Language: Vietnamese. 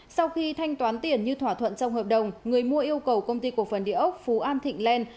sau khi thanh toán tiền như thỏa thuận trong hợp đồng người mua yêu cầu công ty cổ phần địa ốc phú an thịnh lên